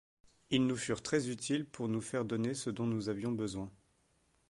Ils nous furent très utiles pour nous faire donner ce dont nous avions besoin.